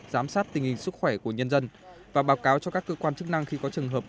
giám sát tình hình sức khỏe của nhân dân và báo cáo cho các cơ quan chức năng khi có trường hợp